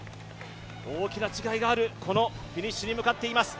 大きな違いがあるこのフィニッシュに向かっています。